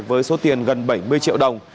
với số tiền gần bảy mươi triệu đồng